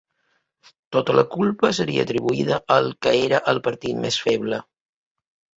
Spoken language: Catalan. Tota la culpa seria atribuïda al que era el partit més feble